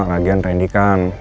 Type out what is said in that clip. lagian rendy kan